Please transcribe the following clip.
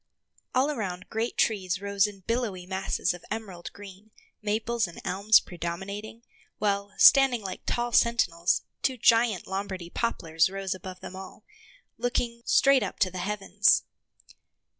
All around great trees rose in billowy masses of emerald green, maples and elms predominating; while, standing like tall sentinels, two giant Lombardy poplars rose above them all, looking straight up to the heavens.